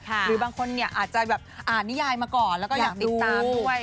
หรือบางคนเนี่ยอาจจะแบบอ่านนิยายมาก่อนแล้วก็อยากติดตามด้วย